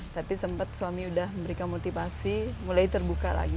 tapi sempat suami udah memberikan motivasi mulai terbuka lagi